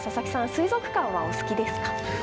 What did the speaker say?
水族館はお好きですか？